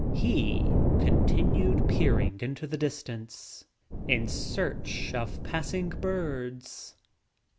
He continued peering into the distance in search of passing birds.